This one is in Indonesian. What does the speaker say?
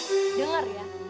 eh dengar ya